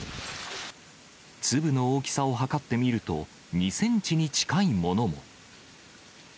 粒の大きさを測ってみると、２センチに近いものも。